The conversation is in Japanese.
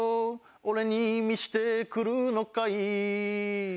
「俺に見せてくるのかい」